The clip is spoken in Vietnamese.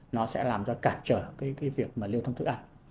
nó sẽ làm cho cản trở việc lưu thông thức ăn